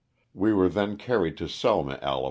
We were then carried to Selma, Ala.